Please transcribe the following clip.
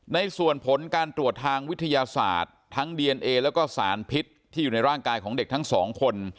ในส่วนผลการตรวจทางวิทยาศาสตร์ทั้งดีเอนเอแล้วก็สารพิษที่อยู่ในร่างกายของเด็กทั้งสองคน